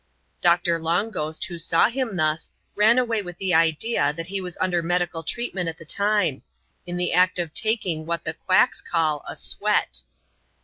Doctor Long Ghost, who saw him thus, ran away with the idea that he was under medical treatment at the time — in^ the act of taking, what the quacks call, a ^' sweat."